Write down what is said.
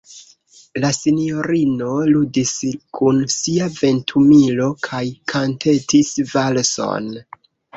La sinjorino ludis kun sia ventumilo kaj kantetis valson.